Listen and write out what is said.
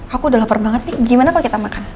aku udah lapar banget nih gimana pak kita makan